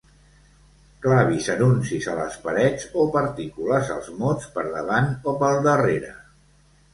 Clavis anuncis a les parets o partícules als mots, per davant o pel darrere.